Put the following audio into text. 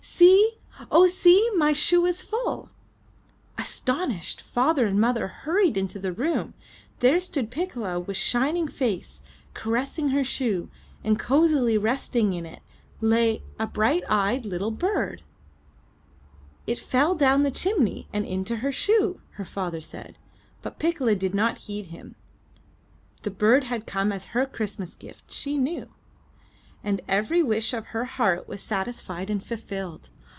"See! Oh, see! My shoe is full!" Astonished, father and mother hurried into the room. There stood Piccola with shining face, caressing her shoe, and cozily resting in it, lay — a bright eyed little bird! "It fell down the chimney and into her shoe!" her father said; but Piccola did not heed him. The bird had come as her Christmas gift, she knew. And every wish of her heart was satisfied and fulfilled.